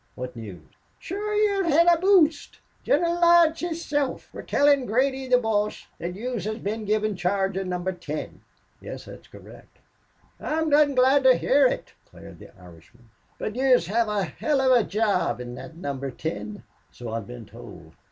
"What news?" "Shure yez hed a boost. Gineral Lodge hisself wor tellin' Grady, the boss, that yez had been given charge of Number Ten." "Yes, that's correct." "I'm dom' glad to hear ut," declared the Irishman. "But yez hev a hell of a job in thot Number Ten." "So I've been told.